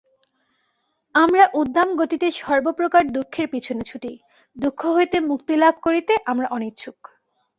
আমরা উদ্দামগতিতে সর্বপ্রকার দুঃখের পিছনে ছুটি, দুঃখ হইতে মুক্তি লাভ করিতে আমরা অনিচ্ছুক।